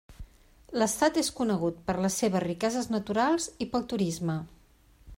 L'estat és conegut per les seves riqueses naturals i pel turisme.